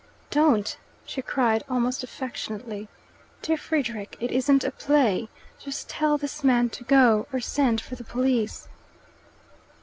"Don't!" she cried, almost affectionately. "Dear Frederick, it isn't a play. Just tell this man to go, or send for the police."